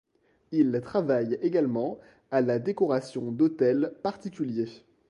Il travaille également à la décoration d'hôtels particuliers.